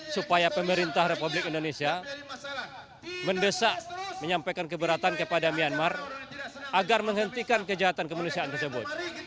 supaya pemerintah republik indonesia mendesak menyampaikan keberatan kepada myanmar agar menghentikan kejahatan kemanusiaan tersebut